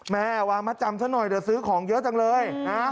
แม่วางมัดจำซะหน่อยเดี๋ยวซื้อของเยอะจังเลยนะ